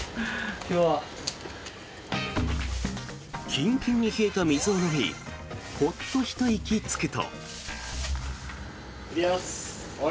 キンキンに冷えた水を飲みホッと一息つくと。